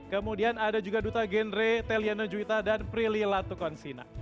kemudian ada juga duta gendre tellyana juwita dan prilly latukonsina